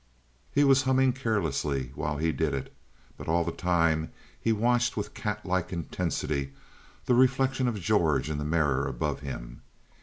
He was humming carelessly while he did it, but all the time he watched with catlike intensity the reflection of George in the mirror above him.